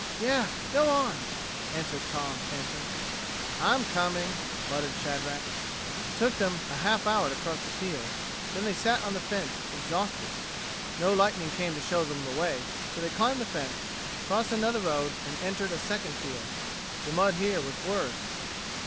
"Yeh go on," answered Tom, panting. "I'm coming," muttered Shadrack. It took them a half hour to cross the field; then they sat on the fence exhausted. No lightning came to show them the way, so they climbed the fence, crossed another road, and entered a second field. The mud here was worse.